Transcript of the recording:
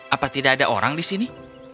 apa tidak ada orang di sini